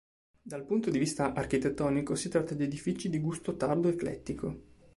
Dal punto di vista architettonico si tratta di edifici di gusto tardo-eclettico.